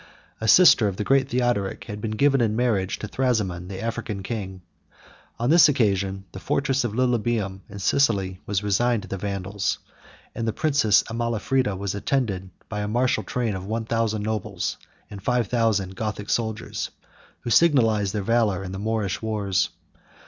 A sister of the great Theodoric had been given in marriage to Thrasimond, the African king:49 on this occasion, the fortress of Lilybæum50 in Sicily was resigned to the Vandals; and the princess Amalafrida was attended by a martial train of one thousand nobles, and five thousand Gothic soldiers, who signalized their valor in the Moorish wars.